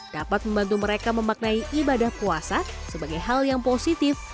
dapat membantu mereka memaknai ibadah puasa sebagai hal yang positif